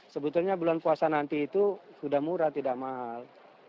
sebetulnya bulan puasa nanti itu sudah murah tidak mahal